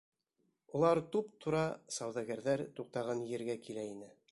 Улар туп-тура сауҙагәрҙәр туҡтаған ергә килә ине.